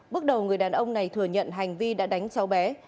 bước đầu người đàn ông này thừa nhận hành vi đã đánh cháu bé